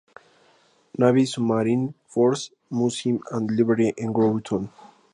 Navy Submarine Force Museum and Library en Groton.